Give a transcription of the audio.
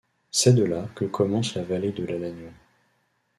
C'est de là que commence la vallée de l'Alagnon.